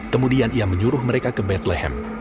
kemudian ia menyuruh mereka ke bethlehem